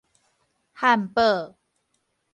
漢堡